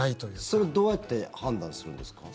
それどうやって判断するんですか？